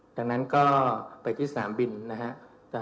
ดังนั้นก็ไปที่สนามบินนะครับ